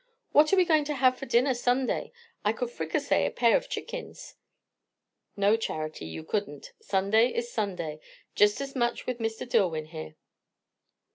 "What are we going to have for dinner, Sunday? I could fricassee a pair of chickens." "No, Charity, you couldn't. Sunday is Sunday, just as much with Mr. Dillwyn here."